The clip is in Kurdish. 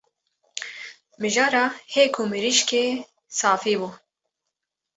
Mijara hêk û mirîşkê safî bû